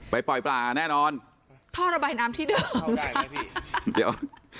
ไปปล่อยปลาแน่นอนท่อระบายน้ำที่เดิมเอาได้ไหมพี่เดี๋ยว